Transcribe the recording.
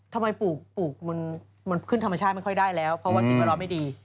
ปลูกมันขึ้นธรรมชาติไม่ค่อยได้แล้วเพราะว่าสิ่งแวดล้อมไม่ดี